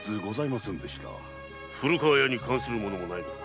古河屋に関するものもないのか？